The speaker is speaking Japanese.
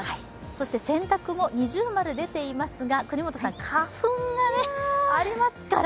そして洗濯も二重丸、出ていますが、花粉もありますから。